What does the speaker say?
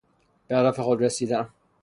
به هدف خود رسیدن